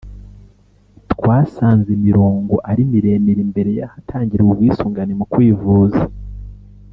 twasanze imirongo ari miremire imbere y’ahatangirwa ubwisungane mu kwivuza